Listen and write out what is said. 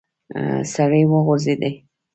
سړی وغورځېد.